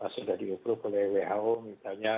sudah diukur oleh who misalnya